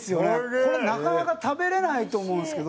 これ、なかなか食べれないと思うんですけど。